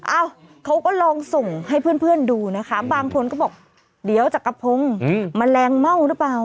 เอ้าเขาก็ลองส่งให้เพื่อนดูนะคะบางคนก็บอกเดี๋ยวจักรพงศ์แมลงเม่าหรือเปล่า